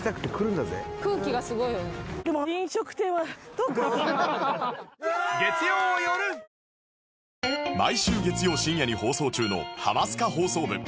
東京海上日動毎週月曜深夜に放送中の『ハマスカ放送部』